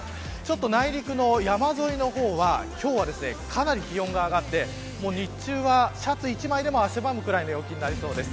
内陸の山沿いの方は今日はかなり気温が上がって日中はシャツ１枚でも汗ばむぐらいの陽気になりそうです。